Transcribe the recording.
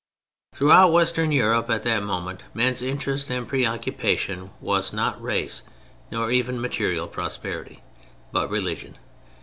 Throughout Western Europe at that moment men's interest and preoccupation was not race nor even material prosperity, but religion.